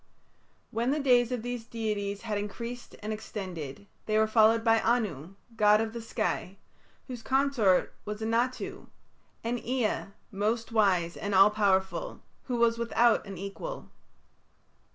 When the days of these deities had increased and extended, they were followed by Anu, god of the sky, whose consort was Anatu; and Ea, most wise and all powerful, who was without an equal.